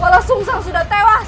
walang sungsang sudah tewas